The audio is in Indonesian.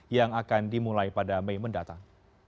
yang akan dimulai pada mei mendatang